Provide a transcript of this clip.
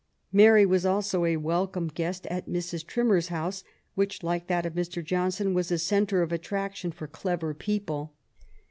Mary was also a welcome guest at Mrs. Trimmer's house, which, like that of Mr. Johnson, was a centre of attraction for clever people.